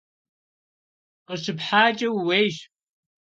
КъыщыпхьакӀэ ууейщ!